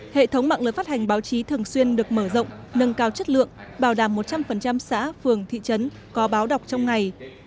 hệ thống mạng lưới phát hành báo chí thường xuyên được mở rộng nâng cao chất lượng bảo đảm một trăm linh xã phường thị trấn có báo đọc trong ngày